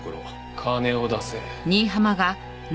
金を出せ。